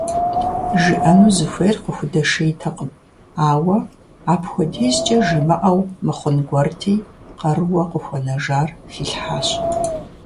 ЖиӀэну зыхуейр къыхудэшейтэкъым, ауэ апхуэдизкӀэ жимыӀэу мыхъун гуэрти, къарууэ къыхуэнэжар хилъхьащ.